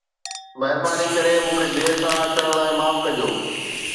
مھرباني ڪري مون کي دير سان اچڻ لاءِ معاف ڪجو